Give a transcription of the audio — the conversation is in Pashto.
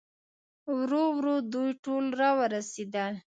ورو ورو دوی ټول راورسېدل.